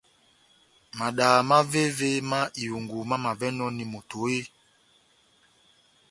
Madaha mávévémá ihungu mamavɛnɔni moto eeeh ?